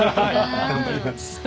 頑張ります。